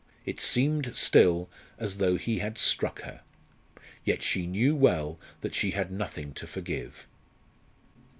It seemed still as though he had struck her. Yet she knew well that she had nothing to forgive.